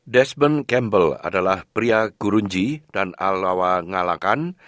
desmond campbell adalah pria gurunji dan alawa ngalakan